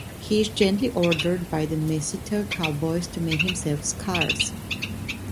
He is gently ordered by the Messiter cowboys to make himself scarce.